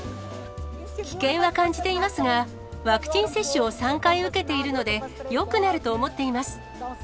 危険は感じていますが、ワクチン接種を３回受けているので、よくなると思っています。